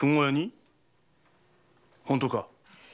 本当か？